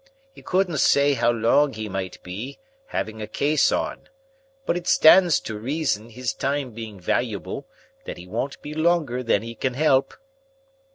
He couldn't say how long he might be, having a case on. But it stands to reason, his time being valuable, that he won't be longer than he can help."